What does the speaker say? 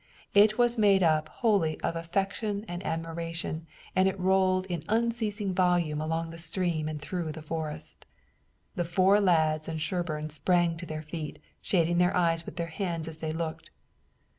It was made up wholly of affection and admiration, and it rolled in unceasing volume along the stream and through the forest. The four lads and Sherburne sprang to their feet, shading their eyes with their hands as they looked.